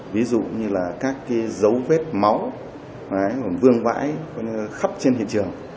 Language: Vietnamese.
ví dụ như là các dấu vết máu vương vãi khắp trên hiện trường